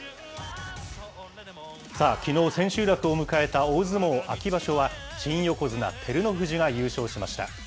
さあ、きのう千秋楽を迎えた大相撲秋場所は、新横綱・照ノ富士が優勝しました。